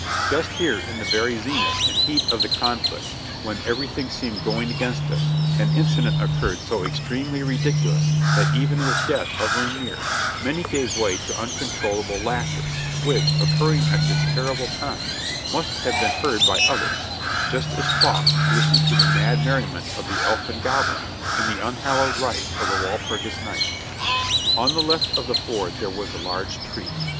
Just here in the very zenith and heat of the conflict, when everything seemed going against us, an incident occurred so extremely ridiculous that even with death hovering near, many gave way to uncontrollable laughter, which, occurring at this ter rible time, must have been heard by others, just as Faust listened to the mad merriment of the elfin goblins in the unhallowed rites of the Walpurgis Night. On the left of the ford there was a large tree.